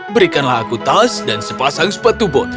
berikanlah aku tas dan sepasang sepatu bot